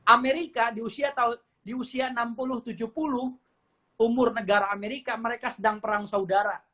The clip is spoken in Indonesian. amerika di usia enam puluh tujuh puluh umur negara amerika mereka sedang perang saudara